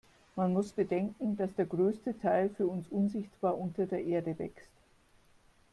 Man muss bedenken, dass der größte Teil für uns unsichtbar unter der Erde wächst.